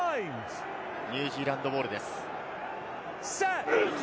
ニュージーランドボールです。